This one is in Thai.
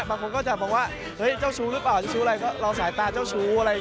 บางคนก็จะบอกว่าเฮ้ยเจ้าชู้หรือเปล่าเจ้าชู้อะไร